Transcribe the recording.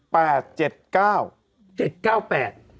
เจ็ดเก้าเจ็ดเก้าแปด